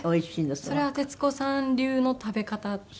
それは徹子さん流の食べ方。